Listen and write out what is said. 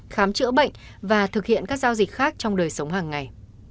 khám chữa bệnh và thực hiện các giao dịch khác trong đời sống hàng ngày